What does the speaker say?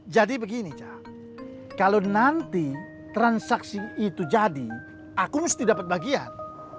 jadi begini jak kalau nanti transaksi itu jadi aku mesti dapet bagian